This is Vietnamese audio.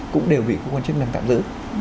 cũng đều bị cơ quan chức năng tạm giữ